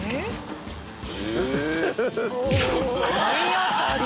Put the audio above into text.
体当たり。